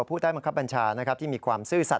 ผู้ได้มะคับบัญชานะครับที่มีความซื่อสัตว์